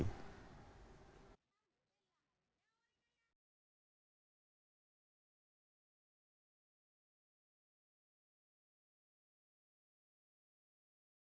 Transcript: kenaikan nilai ekspor juga didukung oleh sejumlah pengusaha yang mulai melakukan ekspor produk holti kultura dalam negeri